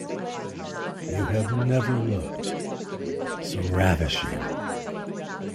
You have never looked so ravishing.